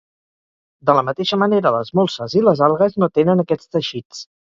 De la mateixa manera les molses i les algues no tenen aquests teixits.